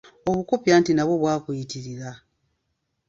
Obukopi anti nabwo bwakuyitirira.